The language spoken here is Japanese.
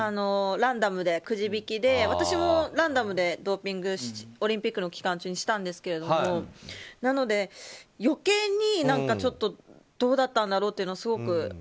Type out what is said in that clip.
ランダムでくじ引きで私もランダムの検査ドーピングオリンピックの期間中にしたんですけれどもなので、余計にちょっとどうだったんだろうというのは。